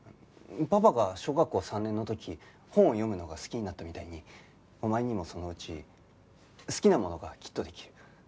パパが小学校３年の時本を読むのが好きになったみたいにお前にもそのうち好きなものがきっとできる。